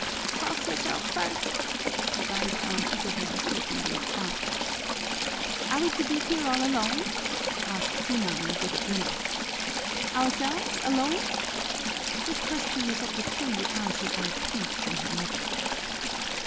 "Cross yourself first," advised Aunt Isabel, setting the example. "Are we to be here all alone?" asked Sinang with a grimace. "Ourselves alone?" This question was opportunely answered by a pinch from her mother.